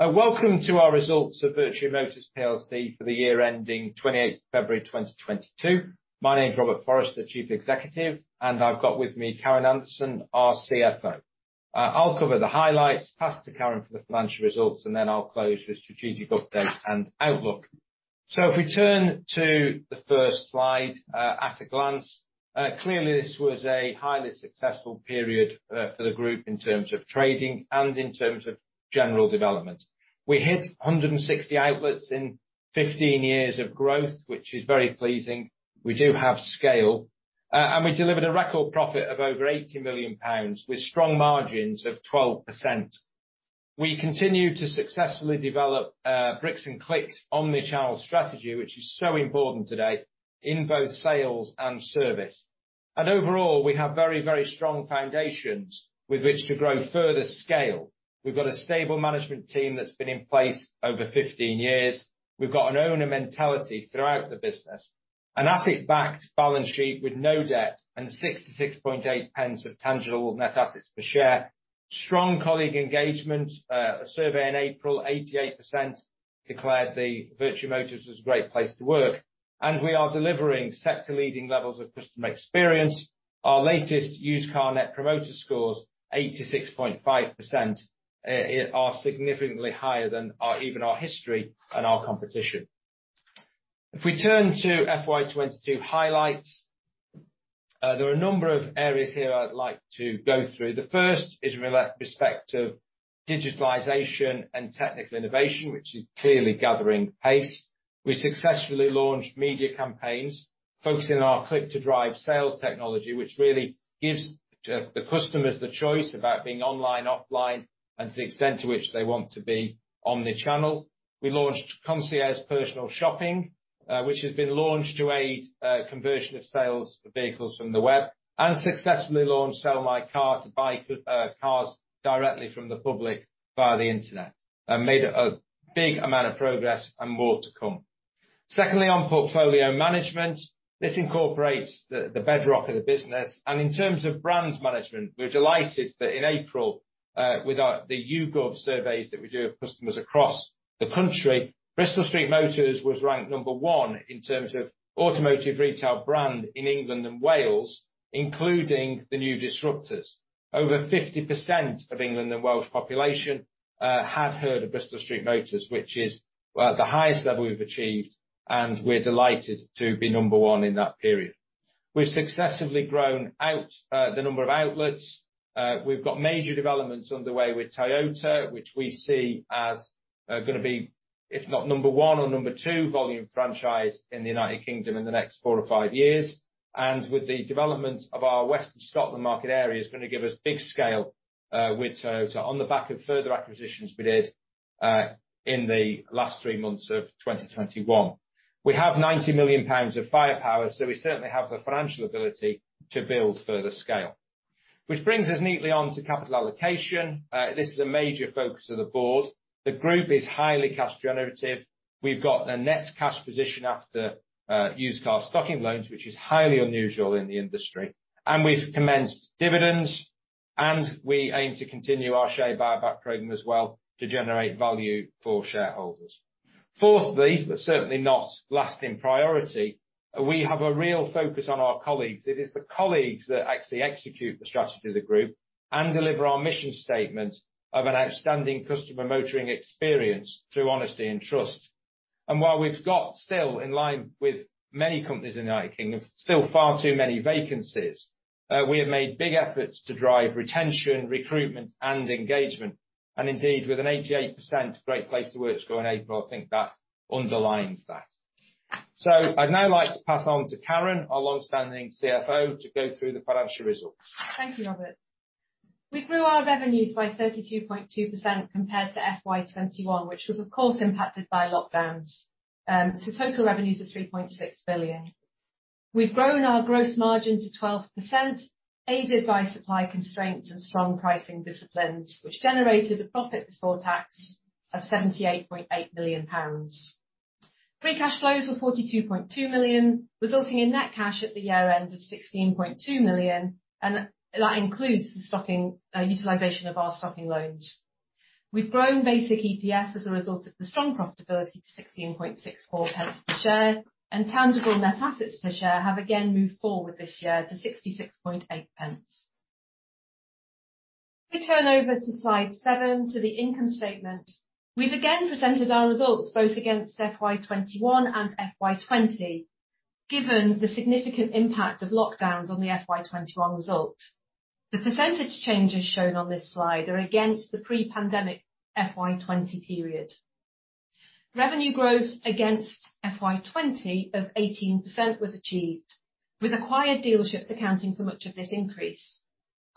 Welcome to our results of Vertu Motors plc for the year ending 28th February, 2022. My name is Robert Forrester, the Chief Executive, and I've got with me Karen Anderson, our CFO. I'll cover the highlights, pass to Karen for the financial results, and then I'll close with strategic update and outlook. If we turn to the first slide, at a glance, clearly this was a highly successful period for the group in terms of trading and in terms of general development. We hit 160 outlets in 15 years of growth, which is very pleasing. We do have scale. We delivered a record profit of over 80 million pounds with strong margins of 12%. We continue to successfully develop bricks and clicks omni-channel strategy, which is so important today in both sales and service. Overall, we have very, very strong foundations with which to grow further scale. We've got a stable management team that's been in place over 15 years. We've got an owner mentality throughout the business. An asset-backed balance sheet with no debt and 6-6.8 pence of tangible net assets per share. Strong colleague engagement. A survey in April, 88% declared the Vertu Motors as a great place to work, and we are delivering sector-leading levels of customer experience. Our latest used car net promoter scores, 86.5%, are significantly higher than our, even our history and our competition. If we turn to FY 2022 highlights, there are a number of areas here I'd like to go through. The first is with respect to digitalization and technical innovation, which is clearly gathering pace. We successfully launched media campaigns focusing on our Click2Drive sales technology, which really gives the customers the choice about being online, offline, and to the extent to which they want to be omni-channel. We launched Concierge Personal Shopping, which has been launched to aid conversion of sales for vehicles from the web, and successfully launched Sell Your Car to buy cars directly from the public via the Internet, and made a big amount of progress and more to come. Secondly, on portfolio management, this incorporates the bedrock of the business, and in terms of brands management, we're delighted that in April, with the YouGov surveys that we do of customers across the country, Bristol Street Motors was ranked number one in terms of automotive retail brand in England and Wales, including the new disruptors. Over 50% of England and Wales population have heard of Bristol Street Motors, which is the highest level we've achieved, and we're delighted to be number one in that period. We've successfully grown out the number of outlets. We've got major developments underway with Toyota, which we see as gonna be, if not number one or number two volume franchise in the United Kingdom in the next four to five years. With the development of our Western Scotland market area is gonna give us big scale with Toyota on the back of further acquisitions we did in the last three months of 2021. We have 90 million pounds of firepower, so we certainly have the financial ability to build further scale. Which brings us neatly onto capital allocation. This is a major focus of the board. The group is highly cash generative. We've got a net cash position after used car stocking loans, which is highly unusual in the industry. We've commenced dividends, and we aim to continue our share buyback program as well to generate value for shareholders. Fourthly, but certainly not last in priority, we have a real focus on our colleagues. It is the colleagues that actually execute the strategy of the group and deliver our mission statement of an outstanding customer motoring experience through honesty and trust. While we've got still in line with many companies in the United Kingdom, still far too many vacancies, we have made big efforts to drive retention, recruitment, and engagement. Indeed, with an 88% great place to work score in April, I think that underlines that. I'd now like to pass on to Karen, our longstanding CFO, to go through the financial results. Thank you, Robert. We grew our revenues by 32.2% compared to FY 2021, which was of course impacted by lockdowns, to total revenues of 3.6 billion. We've grown our gross margin to 12%, aided by supply constraints and strong pricing disciplines, which generated a profit before tax of 78.8 million pounds. Free cash flows were 42.2 million, resulting in net cash at the year-end of 16.2 million, and that includes the stocking utilization of our stocking loans. We've grown basic EPS as a result of the strong profitability to 16.64 pence per share, and tangible net assets per share have again moved forward this year to 66.8 pence. If we turn over to slide 7, to the income statement. We've again presented our results both against FY 2021 and FY 2020. Given the significant impact of lockdowns on the FY 2021 result, the percentage changes shown on this slide are against the pre-pandemic FY 2020 period. Revenue growth against FY 2020 of 18% was achieved, with acquired dealerships accounting for much of this increase.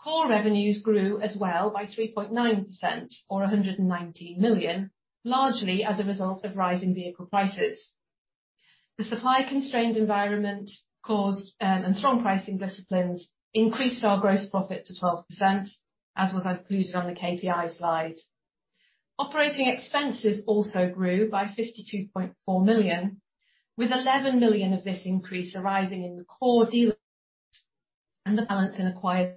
Core revenues grew as well by 3.9% or 119 million, largely as a result of rising vehicle prices. The supply-constrained environment caused and strong pricing disciplines increased our gross profit to 12%, as was concluded on the KPI slide. Operating expenses also grew by 52.4 million, with 11 million of this increase arising in the core dealer and the balance in acquired.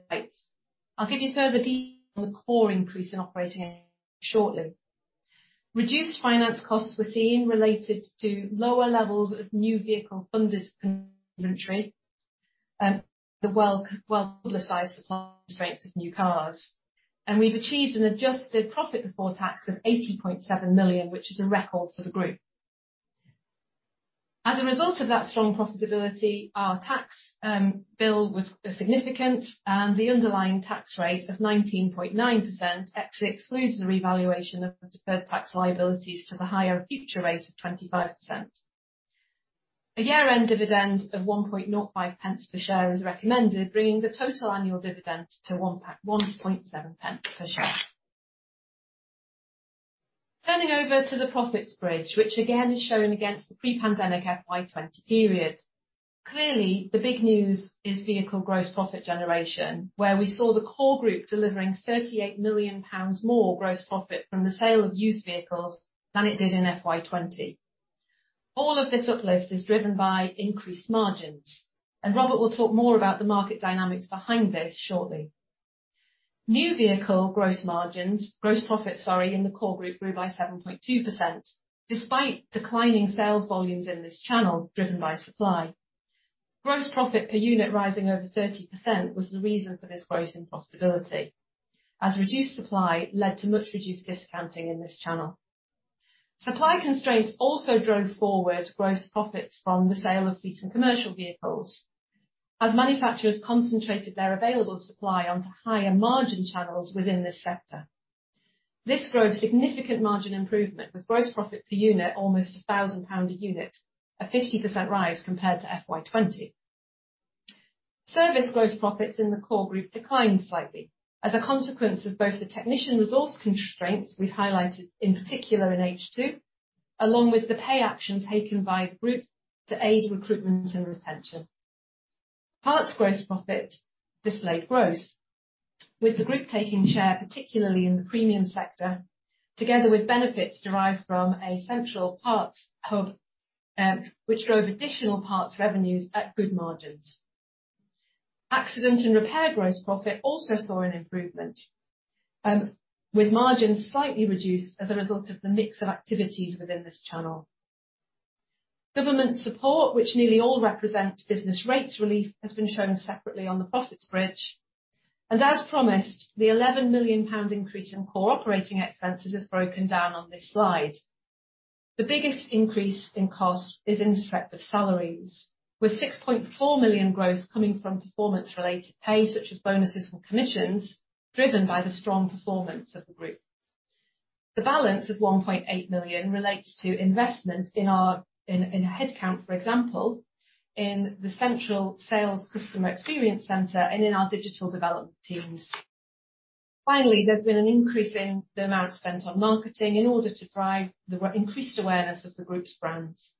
I'll give you further detail on the core increase in operating shortly. Reduced finance costs were seen related to lower levels of new vehicle funded inventory, the well-publicized supply constraints of new cars. We've achieved an adjusted profit before tax of 80.7 million, which is a record for the group. As a result of that strong profitability, our tax bill was significant. The underlying tax rate of 19.9% actually excludes the revaluation of the deferred tax liabilities to the higher future rate of 25%. A year-end dividend of 1.05 pence per share is recommended, bringing the total annual dividend to 1.7 pence per share. Turning over to the profits bridge, which again is shown against the pre-pandemic FY 2020 period. Clearly, the big news is vehicle gross profit generation, where we saw the core group delivering 38 million pounds more gross profit from the sale of used vehicles than it did in FY 2020. All of this uplift is driven by increased margins, and Robert will talk more about the market dynamics behind this shortly. New vehicle gross margins, gross profit, sorry, in the core group grew by 7.2% despite declining sales volumes in this channel driven by supply. Gross profit per unit rising over 30% was the reason for this growth in profitability, as reduced supply led to much reduced discounting in this channel. Supply constraints also drove forward gross profits from the sale of fleet and commercial vehicles, as manufacturers concentrated their available supply onto higher margin channels within this sector. This drove significant margin improvement with gross profit per unit almost 1,000 pound a unit, a 50% rise compared to FY 2020. Service gross profits in the core group declined slightly as a consequence of both the technician resource constraints we've highlighted, in particular in H2, along with the pay action taken by the group to aid recruitment and retention. Parts gross profit displayed growth, with the group taking share, particularly in the premium sector, together with benefits derived from a central parts hub, which drove additional parts revenues at good margins. Accident and repair gross profit also saw an improvement, with margins slightly reduced as a result of the mix of activities within this channel. Government support, which nearly all represents business rates relief, has been shown separately on the profits bridge. As promised, the 11 million pound increase in core operating expenses is broken down on this slide. The biggest increase in cost is in direct costs of salaries, with 6.4 million growth coming from performance-related pay, such as bonuses or commissions, driven by the strong performance of the group. The balance of 1.8 million relates to investment in our headcount, for example, in the central sales customer experience center and in our digital development teams. Finally, there's been an increase in the amount spent on marketing in order to drive the increased awareness of the group's brands.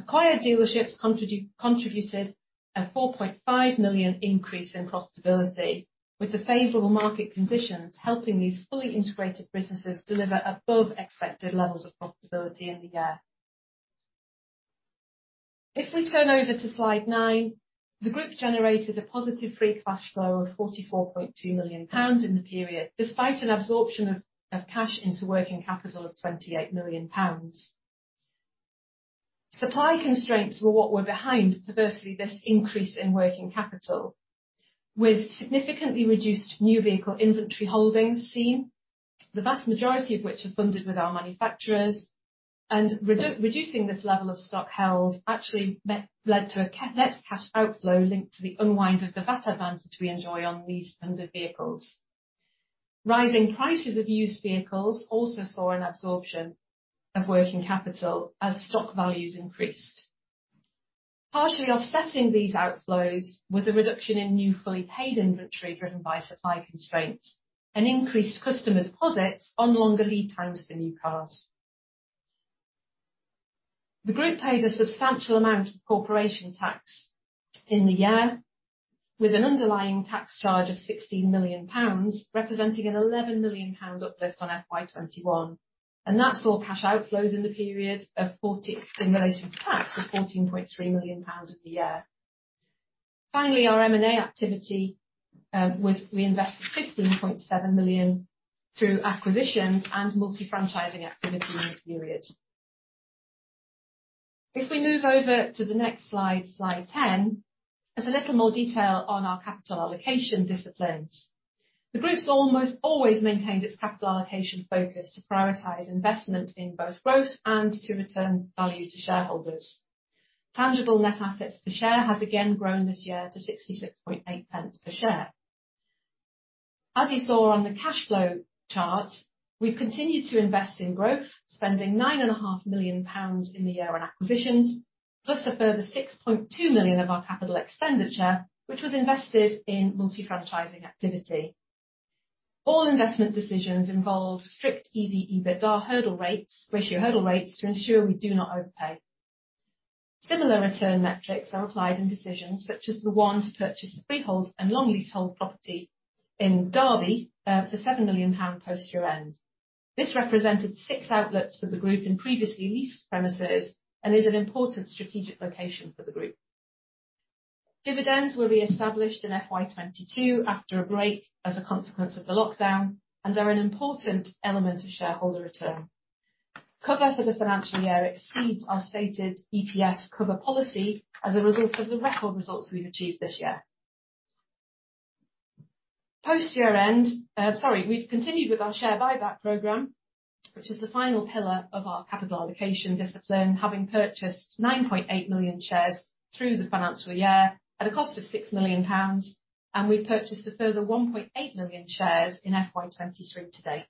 Acquired dealerships contributed a 4.5 million increase in profitability, with the favorable market conditions helping these fully integrated businesses deliver above expected levels of profitability in the year. If we turn over to slide nine, the group generated a positive free cash flow of 44.2 million pounds in the period, despite an absorption of cash into working capital of 28 million pounds. Supply constraints were what was behind, perversely, this increase in working capital. With significantly reduced new vehicle inventory holdings seen, the vast majority of which are funded with our manufacturers. Reducing this level of stock held actually led to a net cash outflow linked to the unwind of the VAT advantage we enjoy on these funded vehicles. Rising prices of used vehicles also saw an absorption of working capital as stock values increased. Partially offsetting these outflows was a reduction in new fully paid inventory driven by supply constraints and increased customer deposits on longer lead times for new cars. The group paid a substantial amount of corporation tax in the year, with an underlying tax charge of 16 million pounds, representing an 11 million pound uplift on FY 2021. That saw cash outflows in the period. In relation to tax of 14.3 million pounds of the year. Finally, our M&A activity was we invested 16.7 million through acquisitions and multi-franchising activity in this period. If we move over to the next slide 10, there's a little more detail on our capital allocation disciplines. The group's almost always maintained its capital allocation focus to prioritize investment in both growth and to return value to shareholders. Tangible net assets per share has again grown this year to 66.8 pence per share. As you saw on the cash flow chart, we've continued to invest in growth, spending nine and a half million GBP in the year on acquisitions, plus a further 6.2 million of our capital expenditure, which was invested in multi-franchising activity. All investment decisions involve strict EV/EBITDA hurdle rates, ratio hurdle rates to ensure we do not overpay. Similar return metrics are applied in decisions such as the one to purchase the freehold and long leasehold property in Derby for 7 million pound post year-end. This represented six outlets for the group in previously leased premises and is an important strategic location for the group. Dividends were reestablished in FY 2022 after a break as a consequence of the lockdown, and are an important element of shareholder return. Cover for the financial year exceeds our stated EPS cover policy as a result of the record results we've achieved this year. Post year-end, we've continued with our share buyback program, which is the final pillar of our capital allocation discipline, having purchased 9.8 million shares through the financial year at a cost of 6 million pounds, and we've purchased a further 1.8 million shares in FY 2023 to date.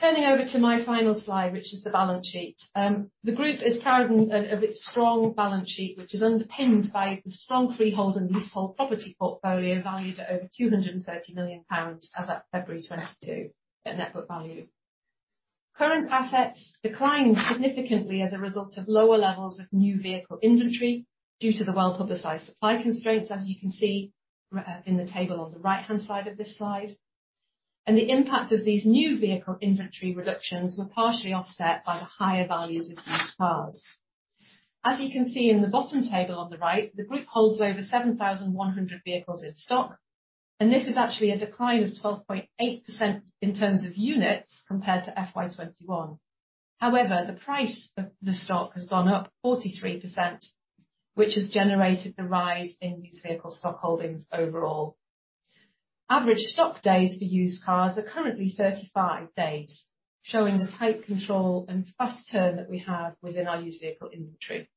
Turning over to my final slide, which is the balance sheet. The group is proud of its strong balance sheet, which is underpinned by the strong freehold and leasehold property portfolio, valued at over 230 million pounds as at February 2022 at net book value. Current assets declined significantly as a result of lower levels of new vehicle inventory due to the well-publicized supply constraints, as you can see in the table on the right-hand side of this slide. The impact of these new vehicle inventory reductions were partially offset by the higher values of used cars. As you can see in the bottom table on the right, the group holds over 7,100 vehicles in stock, and this is actually a decline of 12.8% in terms of units compared to FY 2021. However, the price of the stock has gone up 43%, which has generated the rise in used vehicle stock holdings overall. Average stock days for used cars are currently 35 days, showing the tight control and fast turn that we have within our used vehicle inventory.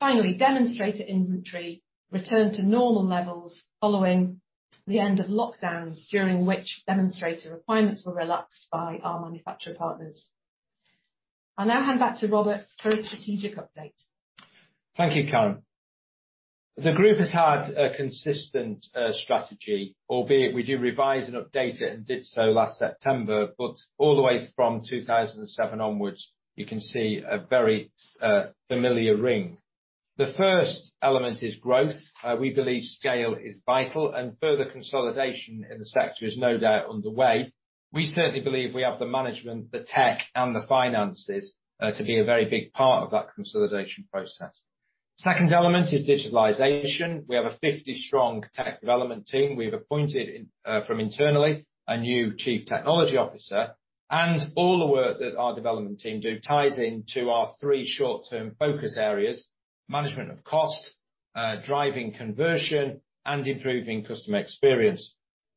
Finally, demonstrator inventory returned to normal levels following the end of lockdowns, during which demonstrator requirements were relaxed by our manufacturer partners. I'll now hand back to Robert for a strategic update. Thank you, Karen. The group has had a consistent strategy, albeit we do revise and update it and did so last September, but all the way from 2007 onwards, you can see a very familiar ring. The first element is growth. We believe scale is vital and further consolidation in the sector is no doubt underway. We certainly believe we have the management, the tech, and the finances to be a very big part of that consolidation process. Second element is digitalization. We have a 50-strong tech development team. We've appointed from internally a new chief technology officer and all the work that our development team do ties into our three short-term focus areas, management of cost, driving conversion, and improving customer experience.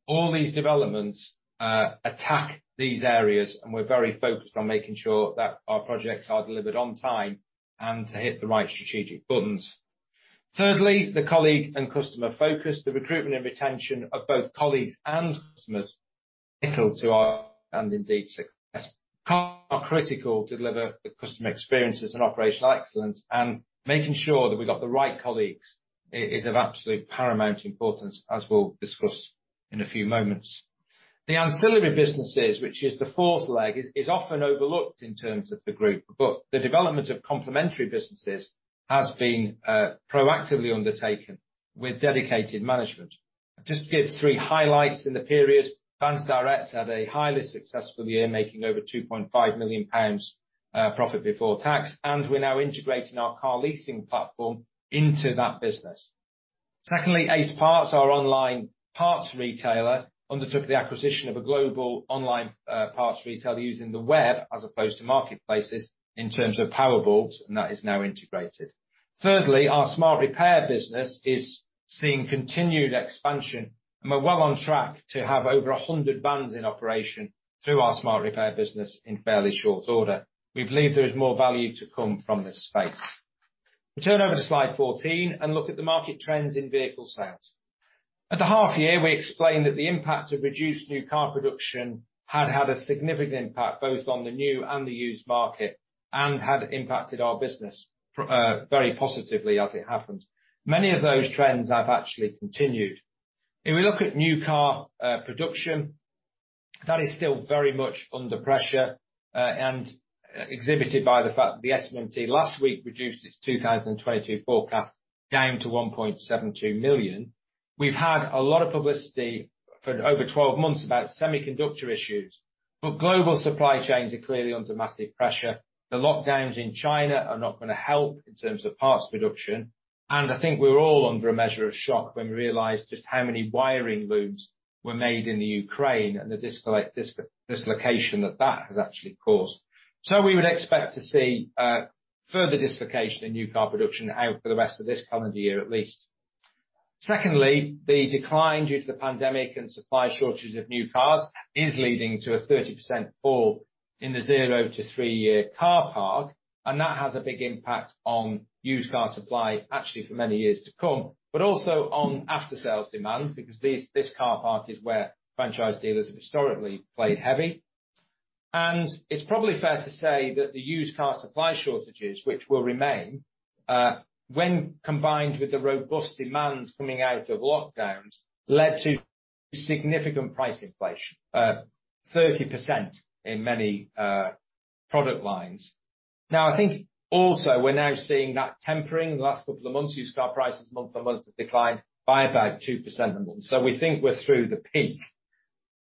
All these developments attack these areas, and we're very focused on making sure that our projects are delivered on time and to hit the right strategic buttons. Thirdly, the colleague and customer focus, the recruitment and retention of both colleagues and customers, critical to our, and indeed success are critical to deliver the customer experiences and operational excellence, and making sure that we've got the right colleagues is of absolute paramount importance, as we'll discuss in a few moments. The ancillary businesses, which is the fourth leg, is often overlooked in terms of the group, but the development of complementary businesses has been proactively undertaken with dedicated management. Just to give three highlights in the period, Vansdirect had a highly successful year, making over 2.5 million pounds profit before tax, and we're now integrating our car leasing platform into that business. Secondly, Aceparts, our online parts retailer, undertook the acquisition of a global online parts retailer using the web as opposed to marketplaces in terms of Powerbulbs, and that is now integrated. Thirdly, our smart repair business is seeing continued expansion, and we're well on track to have over 100 vans in operation through our smart repair business in fairly short order. We believe there is more value to come from this space. We turn over to slide 14 and look at the market trends in vehicle sales. At the half year, we explained that the impact of reduced new car production had a significant impact both on the new and the used market and had impacted our business, very positively as it happens. Many of those trends have actually continued. If we look at new car production, that is still very much under pressure, and exhibited by the fact that the SMMT last week reduced its 2022 forecast down to 1.72 million. We've had a lot of publicity for over 12 months about semiconductor issues, but global supply chains are clearly under massive pressure. The lockdowns in China are not gonna help in terms of parts reduction. I think we're all under a measure of shock when we realized just how many wiring looms were made in the Ukraine and the dislocation that that has actually caused. We would expect to see further dislocation in new car production out for the rest of this calendar year, at least. Secondly, the decline due to the pandemic and supply shortage of new cars is leading to a 30% fall in the zero to three-year car park, and that has a big impact on used car supply actually for many years to come, but also on after sales demand because this car park is where franchise dealers have historically played heavy. It's probably fair to say that the used car supply shortages, which will remain, when combined with the robust demand coming out of lockdowns, led to significant price inflation, 30% in many product lines. Now, I think also we're now seeing that tempering the last couple of months, used car prices month-on-month have declined by about 2%. We think we're through the peak.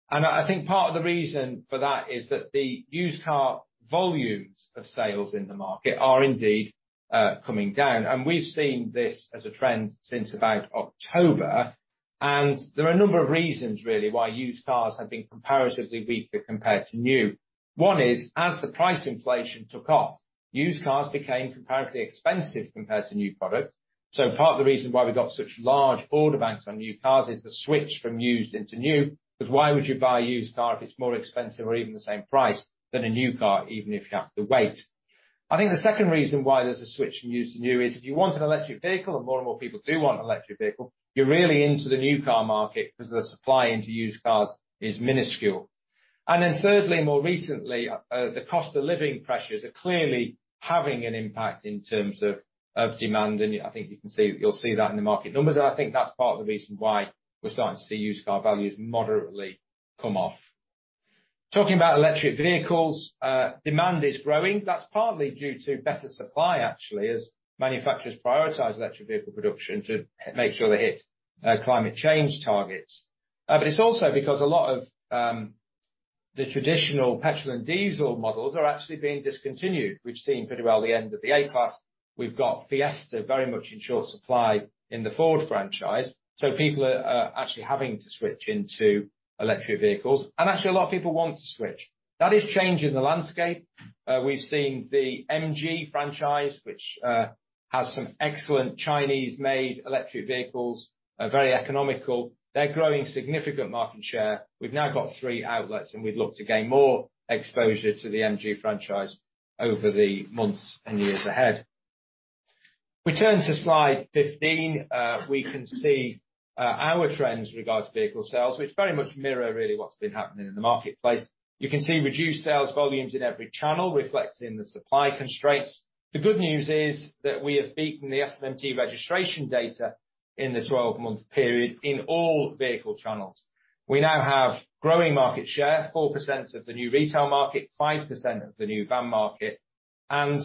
I think part of the reason for that is that the used car volumes of sales in the market are indeed coming down. We've seen this as a trend since about October. There are a number of reasons, really, why used cars have been comparatively weaker compared to new. One is, as the price inflation took off, used cars became comparatively expensive compared to new products. Part of the reason why we got such large order banks on new cars is the switch from used into new. 'Cause why would you buy a used car if it's more expensive or even the same price than a new car, even if you have to wait? I think the second reason why there's a switch from used to new is if you want an electric vehicle, and more and more people do want an electric vehicle, you're really into the new car market 'cause the supply into used cars is minuscule. Then thirdly, more recently, the cost of living pressures are clearly having an impact in terms of of demand. I think you can see, you'll see that in the market numbers. I think that's part of the reason why we're starting to see used car values moderately come off. Talking about electric vehicles, demand is growing. That's partly due to better supply, actually, as manufacturers prioritize electric vehicle production to make sure they hit climate change targets. But it's also because a lot of the traditional petrol and diesel models are actually being discontinued. We've seen pretty well the end of the A-Class. We've got Fiesta very much in short supply in the Ford franchise. People are actually having to switch into electric vehicles, and actually a lot of people want to switch. That is changing the landscape. We've seen the MG franchise, which has some excellent Chinese-made electric vehicles, are very economical. They're growing significant market share. We've now got three outlets, and we'd look to gain more exposure to the MG franchise over the months and years ahead. We turn to slide 15, we can see our trends regarding vehicle sales, which very much mirror really what's been happening in the marketplace. You can see reduced sales volumes in every channel, reflecting the supply constraints. The good news is that we have beaten the SMMT registration data in the 12-month period in all vehicle channels. We now have growing market share, 4% of the new retail market, 5% of the new van market, and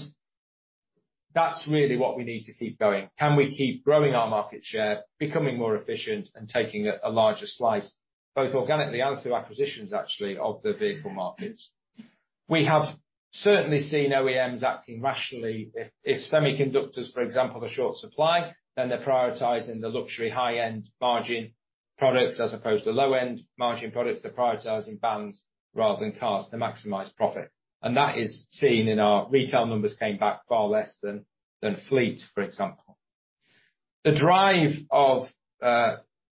that's really what we need to keep going. Can we keep growing our market share, becoming more efficient and taking a larger slice, both organically and through acquisitions actually, of the vehicle markets? We have certainly seen OEMs acting rationally. If semiconductors, for example, are short supply, then they're prioritizing the luxury high-end margin products as opposed to low-end margin products. They're prioritizing vans rather than cars to maximize profit. That is seen in our retail numbers came back far less than fleet, for example. The drive of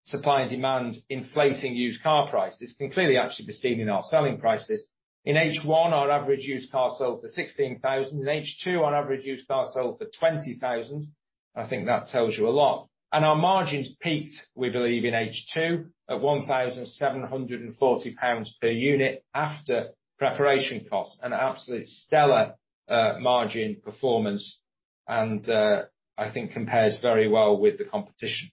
supply and demand inflating used car prices can clearly actually be seen in our selling prices. In H1, our average used car sold for 16,000. In H2, on average, used car sold for 20,000. I think that tells you a lot. Our margins peaked, we believe in H2, at 1,740 pounds per unit after preparation costs, an absolute stellar margin performance, and I think compares very well with the competition.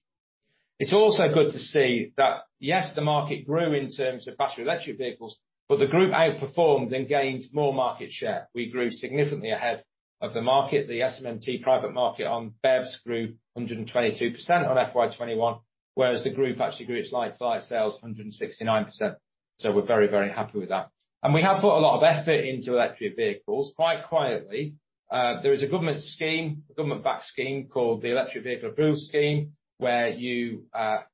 It's also good to see that, yes, the market grew in terms of battery electric vehicles, but the group outperformed and gained more market share. We grew significantly ahead of the market. The SMMT private market on BEVs grew 122% on FY 2021, whereas the group actually grew its like-for-like sales 169%. We're very, very happy with that. We have put a lot of effort into electric vehicles, quite quietly. There is a government scheme, a government-backed scheme called the EVA, where you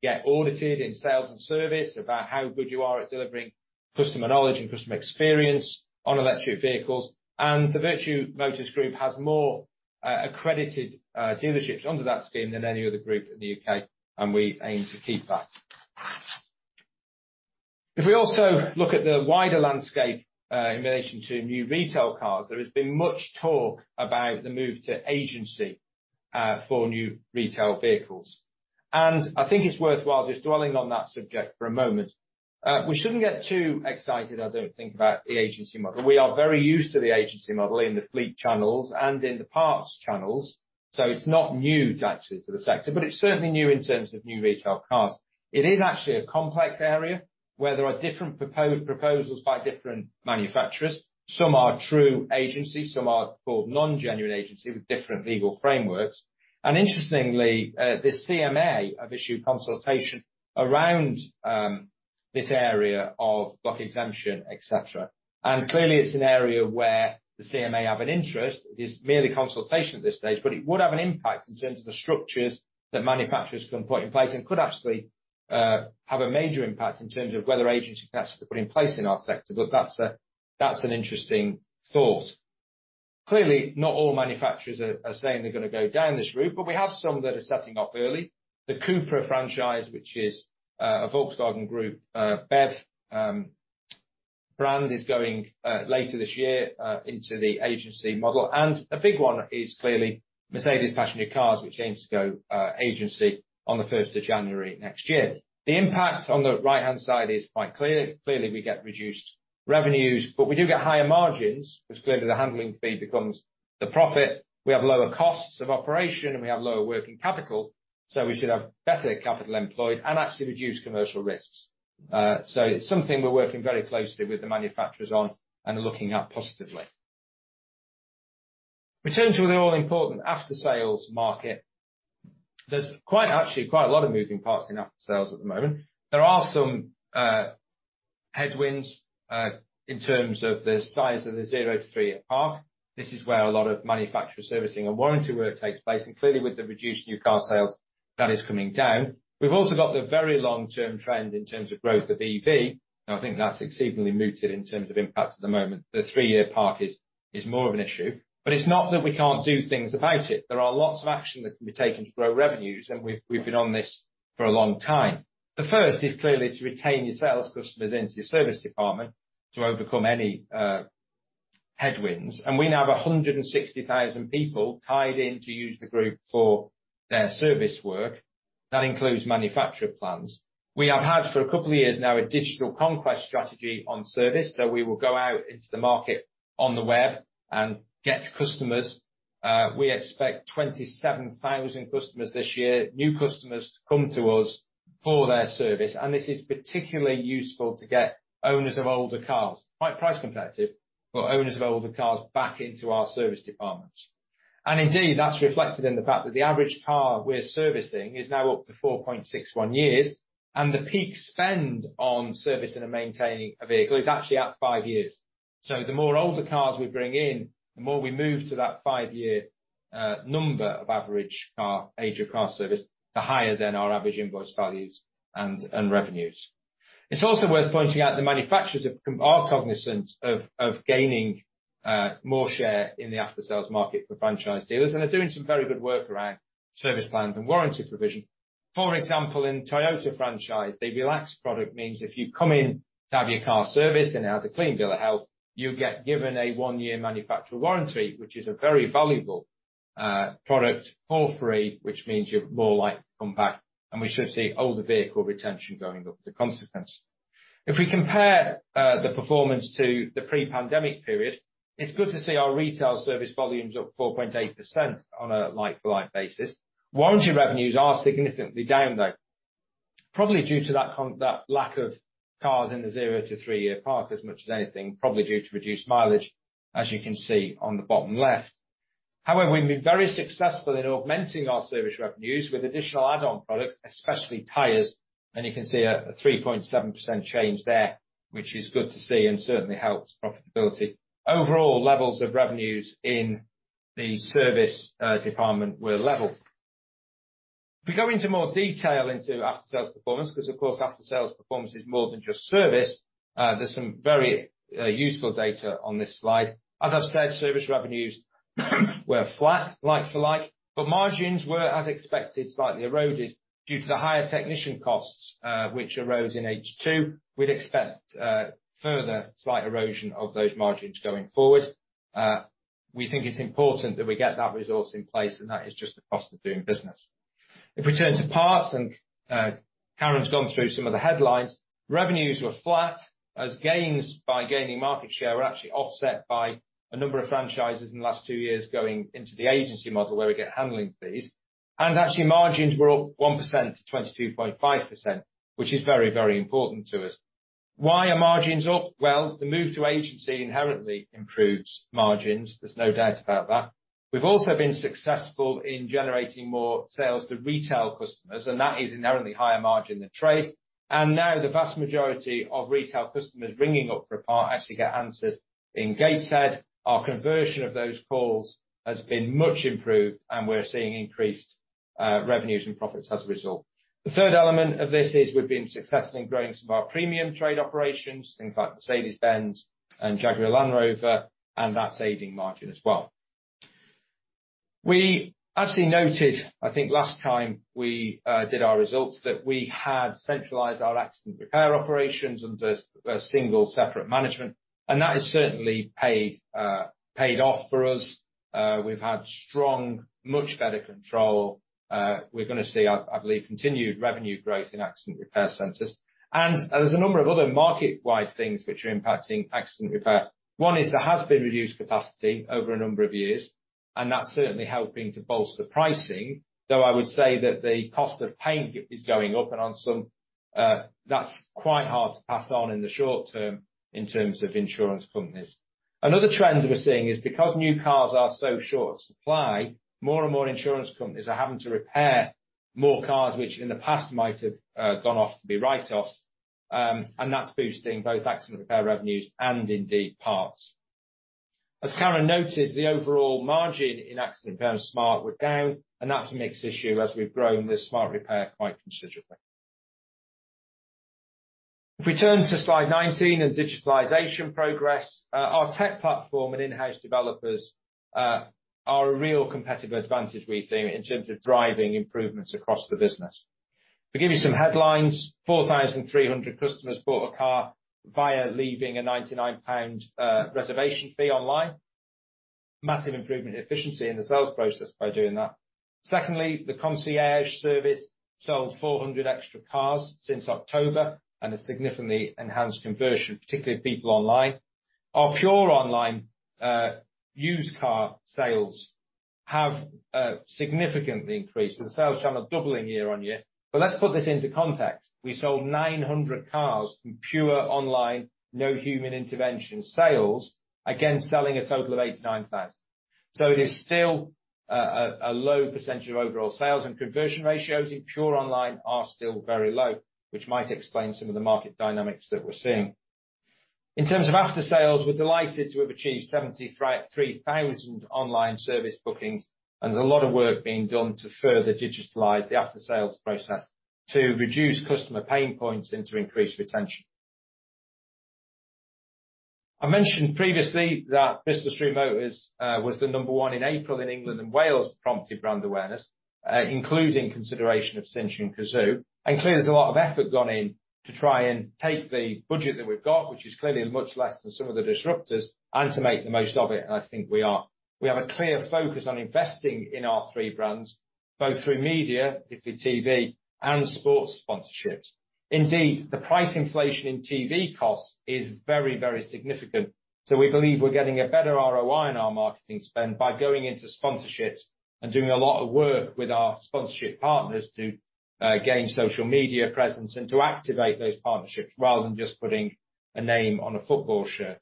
get audited in sales and service about how good you are at delivering customer knowledge and customer experience on electric vehicles. The Vertu Motors Group has more accredited dealerships under that scheme than any other group in the U.K., and we aim to keep that. If we also look at the wider landscape in relation to new retail cars, there has been much talk about the move to agency for new retail vehicles. I think it's worthwhile just dwelling on that subject for a moment. We shouldn't get too excited, I don't think, about the agency model. We are very used to the agency model in the fleet channels and in the parts channels, so it's not new to actually to the sector, but it's certainly new in terms of new retail cars. It is actually a complex area where there are different proposals by different manufacturers. Some are true agencies, some are called non-genuine agency with different legal frameworks. Interestingly, the CMA have issued consultation around this area of block exemption, et cetera. Clearly it's an area where the CMA have an interest. It is merely consultation at this stage, but it would have an impact in terms of the structures that manufacturers can put in place and could actually have a major impact in terms of whether agency contracts are put in place in our sector. That's an interesting thought. Clearly, not all manufacturers are saying they're gonna go down this route, but we have some that are setting up early. The Cupra franchise, which is a Volkswagen Group BEV brand, is going later this year into the agency model. A big one is clearly Mercedes-Benz Passenger Cars, which aims to go agency on the first of January next year. The impact on the right-hand side is quite clear. Clearly, we get reduced revenues, but we do get higher margins 'cause clearly the handling fee becomes the profit. We have lower costs of operation, and we have lower working capital, so we should have better capital employed and actually reduce commercial risks. It's something we're working very closely with the manufacturers on and are looking at positively. We turn to the all-important aftersales market. There's actually quite a lot of moving parts in aftersales at the moment. There are some headwinds in terms of the size of the zero to three-year car park. This is where a lot of manufacturer servicing and warranty work takes place, and clearly, with the reduced new car sales, that is coming down. We've also got the very long-term trend in terms of growth of EV, and I think that's exceedingly muted in terms of impact at the moment. The three-year car park is more of an issue, but it's not that we can't do things about it. There are lots of action that can be taken to grow revenues, and we've been on this for a long time. The first is clearly to retain your sales customers into your service department to overcome any headwinds. We now have 160,000 people tied in to use the group for their service work. That includes manufacturer plans. We have had for a couple of years now a digital conquest strategy on service, so we will go out into the market on the web and get customers. We expect 27,000 customers this year, new customers to come to us for their service, and this is particularly useful to get owners of older cars, quite price competitive, but owners of older cars back into our service departments. Indeed, that's reflected in the fact that the average car we're servicing is now up to 4.61 years, and the peak spend on servicing and maintaining a vehicle is actually at five years. The more older cars we bring in, the more we move to that five-year number of average car age of car service, the higher the average invoice values and revenues. It's also worth pointing out the manufacturers are cognizant of gaining more share in the aftersales market for franchise dealers and are doing some very good work around service plans and warranty provision. For example, in Toyota franchise, Toyota Relax means if you come in to have your car serviced and it has a clean bill of health, you'll get given a one-year manufacturer warranty, which is a very valuable product for free, which means you're more likely to come back, and we should see older vehicle retention going up as a consequence. If we compare the performance to the pre-pandemic period, it's good to see our retail service volumes up 4.8% on a like-for-like basis. Warranty revenues are significantly down, though, probably due to that lack of cars in the zero to three-year car park as much as anything, probably due to reduced mileage, as you can see on the bottom left. However, we've been very successful in augmenting our service revenues with additional add-on products, especially tires, and you can see a 3.7% change there, which is good to see and certainly helps profitability. Overall, levels of revenues in the service department were level. If we go into more detail into aftersales performance, because, of course, aftersales performance is more than just service, there's some very useful data on this slide. As I've said, service revenues were flat like-for-like, but margins were, as expected, slightly eroded due to the higher technician costs, which arose in H2. We'd expect further slight erosion of those margins going forward. We think it's important that we get that resource in place, and that is just the cost of doing business. If we turn to parts, and Karen's gone through some of the headlines, revenues were flat as gains from gaining market share were actually offset by a number of franchises in the last two years going into the agency model, where we get handling fees. Actually, margins were up 1% to 22.5%, which is very, very important to us. Why are margins up? Well, the move to agency inherently improves margins. There's no doubt about that. We've also been successful in generating more sales to retail customers, and that is inherently higher margin than trade. Now the vast majority of retail customers ringing up for a part actually get answers being given. Our conversion of those calls has been much improved, and we're seeing increased revenues and profits as a result. The third element of this is we've been successful in growing some of our premium trade operations, things like Mercedes-Benz and Jaguar Land Rover, and that's aiding margin as well. We actually noted, I think last time we did our results, that we had centralized our accident repair operations under a single separate management, and that has certainly paid off for us. We've had strong, much better control. We're gonna see, I believe, continued revenue growth in accident repair centers. There's a number of other market-wide things which are impacting accident repair. One is there has been reduced capacity over a number of years, and that's certainly helping to bolster pricing, though I would say that the cost of paint is going up and on some, that's quite hard to pass on in the short term in terms of insurance companies. Another trend we're seeing is because new cars are so short of supply, more and more insurance companies are having to repair more cars which in the past might have, gone off to be write-offs, and that's boosting both accident repair revenues and indeed parts. As Karen noted, the overall margin in accident repair and smart were down, and that's a mix issue as we've grown the smart repair quite considerably. If we turn to slide 19 and digitalization progress, our tech platform and in-house developers are a real competitive advantage we think in terms of driving improvements across the business. To give you some headlines, 4,300 customers bought a car via leaving a 99 pound reservation fee online. Massive improvement in efficiency in the sales process by doing that. Secondly, the concierge service sold 400 extra cars since October and has significantly enhanced conversion, particularly of people online. Our pure online used car sales have significantly increased with sales channel doubling year-on-year. Let's put this into context. We sold 900 cars in pure online, no human intervention sales, again, selling a total of 89,000. It is still a low percentage of overall sales and conversion ratios in pure online are still very low, which might explain some of the market dynamics that we're seeing. In terms of aftersales, we're delighted to have achieved 73,000 online service bookings, and there's a lot of work being done to further digitalize the aftersales process to reduce customer pain points and to increase retention. I mentioned previously that Bristol Street Motors was the number one in April in England and Wales prompted brand awareness, including consideration of Cinch and Cazoo. Clearly, there's a lot of effort gone in to try and take the budget that we've got, which is clearly much less than some of the disruptors, and to make the most of it, and I think we are. We have a clear focus on investing in our three brands, both through media, particularly TV, and sports sponsorships. Indeed, the price inflation in TV costs is very, very significant. We believe we're getting a better ROI on our marketing spend by going into sponsorships and doing a lot of work with our sponsorship partners to gain social media presence and to activate those partnerships rather than just putting a name on a football shirt.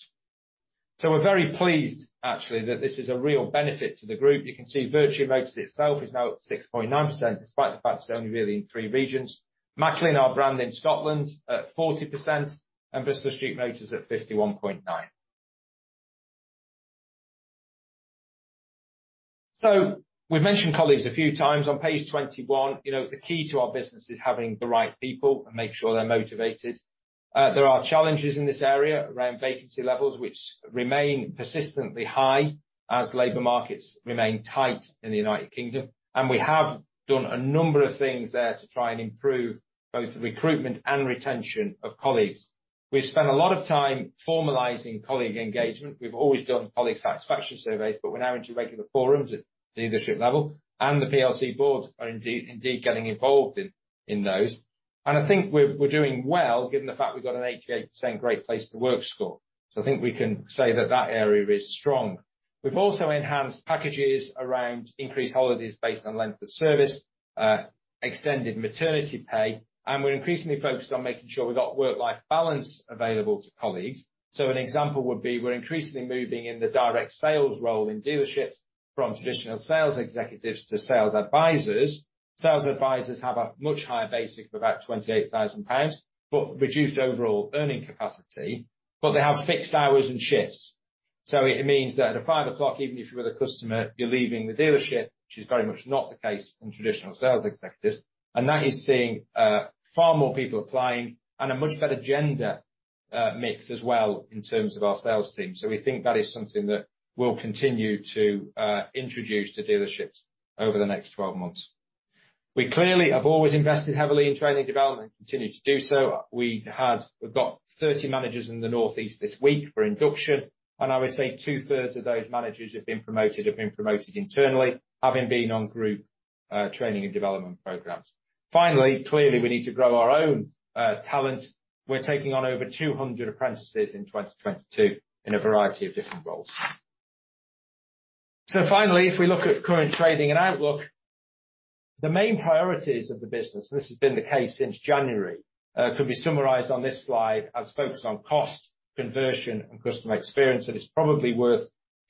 We're very pleased, actually, that this is a real benefit to the group. You can see Vertu Motors itself is now at 6.9%, despite the fact it's only really in three regions. Macklin, our brand in Scotland, at 40%, and Bristol Street Motors at 51.9%. We've mentioned colleagues a few times. On page 21, you know, the key to our business is having the right people and make sure they're motivated. There are challenges in this area around vacancy levels, which remain persistently high as labor markets remain tight in the United Kingdom. We have done a number of things there to try and improve both recruitment and retention of colleagues. We've spent a lot of time formalizing colleague engagement. We've always done colleague satisfaction surveys, but we're now into regular forums at the leadership level, and the PLC board are indeed getting involved in those. I think we're doing well, given the fact we've got an 88% great place to work score. I think we can say that that area is strong. We've also enhanced packages around increased holidays based on length of service, extended maternity pay, and we're increasingly focused on making sure we've got work-life balance available to colleagues. An example would be, we're increasingly moving in the direct sales role in dealerships from traditional sales executives to sales advisors. Sales advisors have a much higher basic of about 28,000 pounds, but reduced overall earning capacity, they have fixed hours and shifts. It means that at 5:00 P.M., even if you're with a customer, you're leaving the dealership, which is very much not the case in traditional sales executives. That is seeing far more people applying and a much better gender mix as well in terms of our sales team. We think that is something that we'll continue to introduce to dealerships over the next 12 months. We clearly have always invested heavily in training development, continue to do so. We have got 30 managers in the Northeast this week for induction, and I would say two-thirds of those managers have been promoted internally, having been on group training and development programs. Finally, clearly, we need to grow our own talent. We're taking on over 200 apprentices in 2022 in a variety of different roles. Finally, if we look at current trading and outlook, the main priorities of the business. This has been the case since January and could be summarized on this slide as focus on cost, conversion, and customer experience. It's probably worth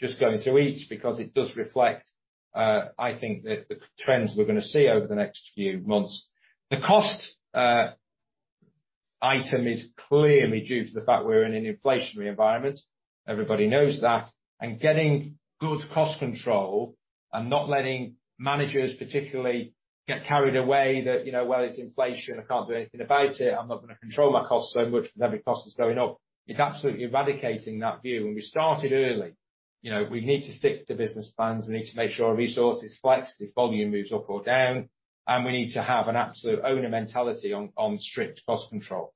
just going through each because it does reflect, I think the trends we're gonna see over the next few months. The cost item is clearly due to the fact we're in an inflationary environment. Everybody knows that. Getting good cost control and not letting managers particularly get carried away that, you know, "Well, it's inflation. I can't do anything about it. I'm not gonna control my costs so much because every cost is going up." It's absolutely eradicating that view, and we started early. You know, we need to stick to business plans, we need to make sure our resources flex if volume moves up or down, and we need to have an absolute owner mentality on strict cost control.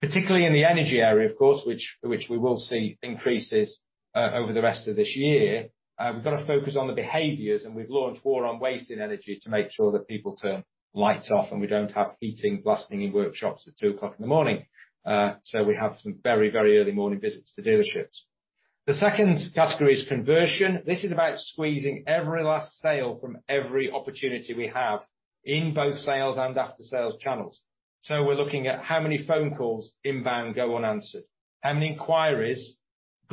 Particularly in the energy area, of course, which we will see increases over the rest of this year. We've gotta focus on the behaviors, and we've launched war on wasting energy to make sure that people turn lights off and we don't have heating blasting in workshops at 2:00 A.M. We have some very, very early morning visits to dealerships. The second category is conversion. This is about squeezing every last sale from every opportunity we have in both sales and after sales channels. We're looking at how many phone calls inbound go unanswered. How many inquiries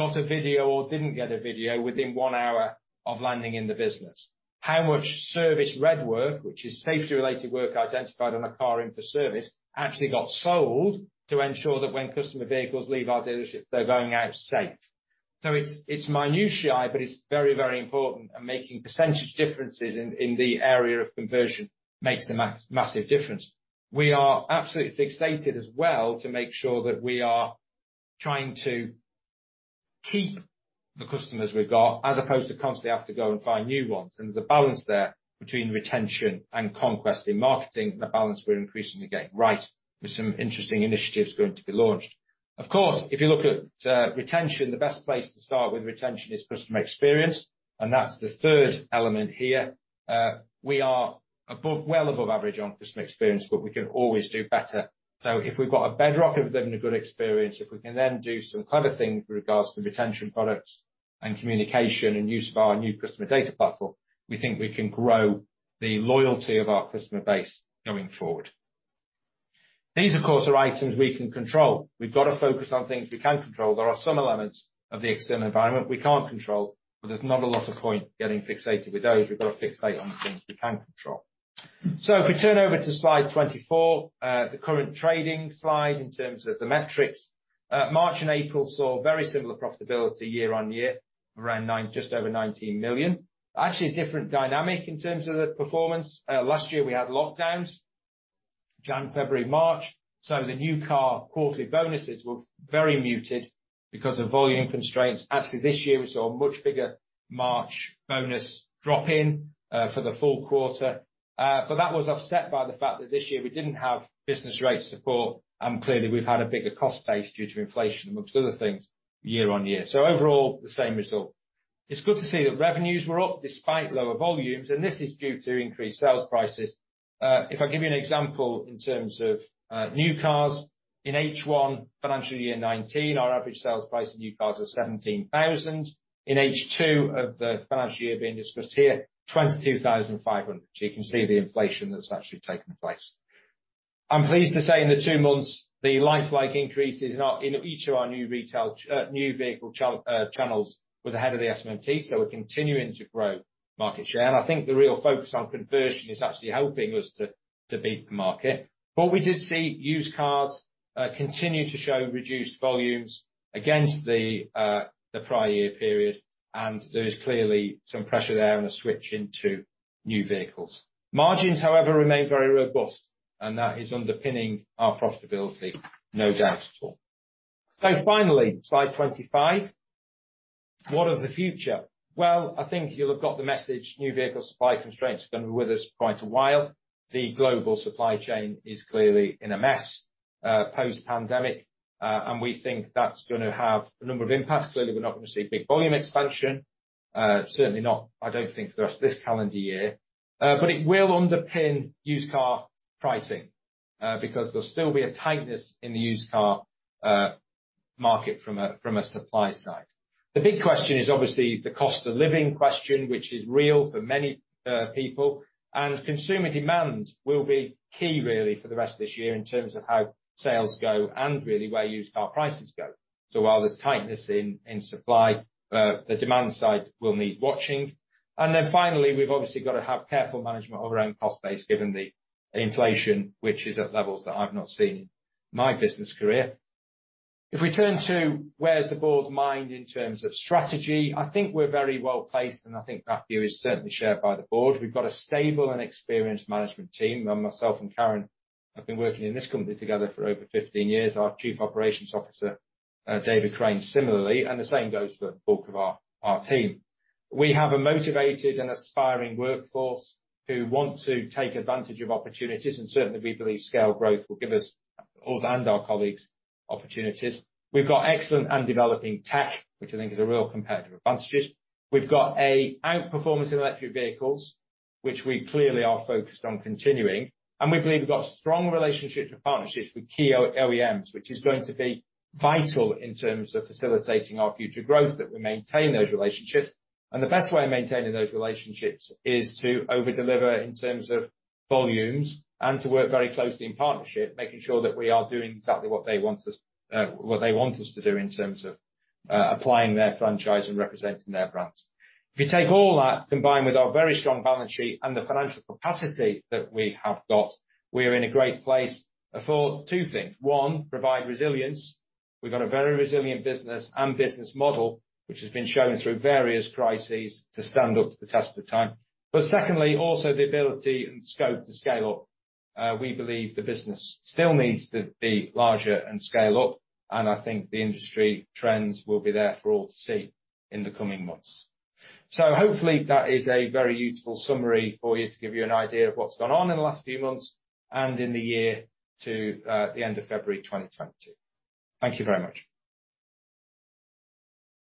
got a video or didn't get a video within one hour of landing in the business. How much service red work, which is safety-related work identified on a car in for service, actually got sold to ensure that when customer vehicles leave our dealership, they're going out safe. It's minutiae, but it's very, very important and making percentage differences in the area of conversion makes a massive difference. We are absolutely fixated as well to make sure that we are trying to keep the customers we've got as opposed to constantly have to go and find new ones. There's a balance there between retention and conquest in marketing. The balance we're increasingly getting right with some interesting initiatives going to be launched. Of course, if you look at retention, the best place to start with retention is customer experience, and that's the third element here. We are above, well above average on customer experience, but we can always do better. If we've got a bedrock of them and a good experience, if we can then do some clever things with regards to retention products and communication and use of our new customer data platform, we think we can grow the loyalty of our customer base going forward. These, of course, are items we can control. We've got to focus on things we can control. There are some elements of the external environment we can't control, but there's not a lot of point getting fixated with those. We've got to fixate on the things we can control. If we turn over to slide 24, the current trading slide in terms of the metrics. March and April saw very similar profitability year-over-year, just over 19 million. Actually, a different dynamic in terms of the performance. Last year we had lockdowns, January, February, March, so the new car quarterly bonuses were very muted because of volume constraints. Actually, this year we saw a much bigger March bonus drop in for the full quarter. But that was offset by the fact that this year we didn't have business rate support, and clearly we've had a bigger cost base due to inflation among other things year-on-year. Overall, the same result. It's good to see that revenues were up despite lower volumes, and this is due to increased sales prices. If I give you an example in terms of new cars in H1, financial year 2019, our average sales price in new cars was 17,000. In H2 of the financial year being discussed here, 22,500. You can see the inflation that's actually taken place. I'm pleased to say in the two months the like-for-like increase is now in each of our new vehicle channels ahead of the SMMT, so we're continuing to grow market share. I think the real focus on conversion is actually helping us to beat the market. We did see used cars continue to show reduced volumes against the prior year period, and there is clearly some pressure there on a switch into new vehicles. Margins, however, remain very robust, and that is underpinning our profitability, no doubt at all. Finally, slide 25. What of the future? Well, I think you'll have got the message new vehicle supply constraints are gonna be with us quite a while. The global supply chain is clearly in a mess, post-pandemic, and we think that's gonna have a number of impacts. Clearly, we're not gonna see big volume expansion, certainly not. I don't think for the rest of this calendar year. But it will underpin used car pricing, because there'll still be a tightness in the used car market from a supply side. The big question is obviously the cost of living question, which is real for many people. Consumer demand will be key really for the rest of this year in terms of how sales go and really where used car prices go. While there's tightness in supply, the demand side will need watching. We've obviously got to have careful management of our own cost base given the inflation, which is at levels that I've not seen in my business career. If we turn to where's the board's mind in terms of strategy, I think we're very well-placed, and I think that view is certainly shared by the board. We've got a stable and experienced management team. Myself and Karen have been working in this company together for over 15 years. Our Chief Operations Officer, David Crane, similarly, and the same goes for the bulk of our team. We have a motivated and aspiring workforce who want to take advantage of opportunities, and certainly we believe scale growth will give us, both and our colleagues, opportunities. We've got excellent and developing tech, which I think is a real competitive advantages. We've got an outperformance in electric vehicles, which we clearly are focused on continuing. We believe we've got strong relationships and partnerships with key OEMs, which is going to be vital in terms of facilitating our future growth, that we maintain those relationships. The best way of maintaining those relationships is to overdeliver in terms of volumes and to work very closely in partnership, making sure that we are doing exactly what they want us to do in terms of applying their franchise and representing their brands. If you take all that, combined with our very strong balance sheet and the financial capacity that we have got, we are in a great place for two things. One, provide resilience. We've got a very resilient business and business model, which has been shown through various crises to stand up to the test of time. Secondly, also the ability and scope to scale up. We believe the business still needs to be larger and scale up, and I think the industry trends will be there for all to see in the coming months. Hopefully that is a very useful summary for you to give you an idea of what's gone on in the last few months and in the year to the end of February 2022. Thank you very much.